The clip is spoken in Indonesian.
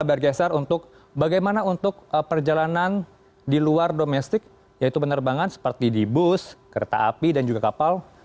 bergeser untuk bagaimana untuk perjalanan di luar domestik yaitu penerbangan seperti di bus kereta api dan juga kapal